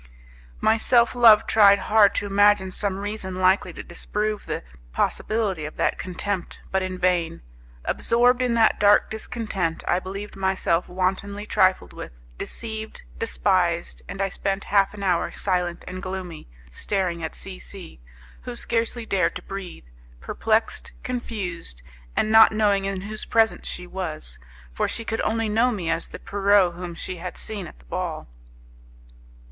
My self love tried hard to imagine some reason likely to disprove the possibility of that contempt, but in vain. Absorbed in that dark discontent, I believed myself wantonly trifled with, deceived, despised, and I spent half an hour silent and gloomy, staring at C C , who scarcely dared to breathe, perplexed, confused, and not knowing in whose presence she was, for she could only know me as the Pierrot whom she had seen at the ball.